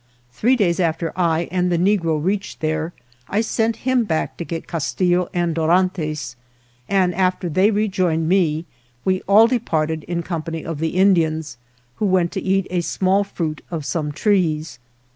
Three days after I and the negro reached there I sent him back to get Castillo and Dorantes, and after they rejoined me we THE JOURNEY O F all departed in company of the Indians, who went to eat a small fruit of some trees.